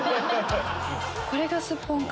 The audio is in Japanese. これがスッポンか。